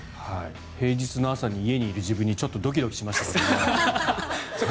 平日の朝に家にいる自分にちょっとドキドキしましたからね。